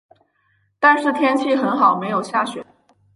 但是天气很好没有下雪